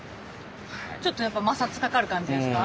ちょっとやっぱり摩擦かかる感じですか？